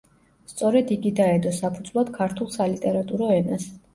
სწორედ იგი დაედო საფუძვლად ქართულ სალიტერატურო ენას.